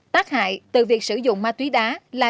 tác hại từ việc sử dụng ma túy đá